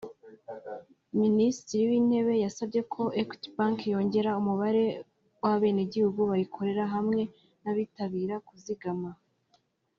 Minisitiri w’Intebe yasabye ko Equity bank yongera umubare w’abenegihugu bayikorera hamwe n’abitabira kuzigama